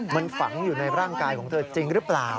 มันฝังอยู่ในร่างกายของเธอจริงหรือเปล่า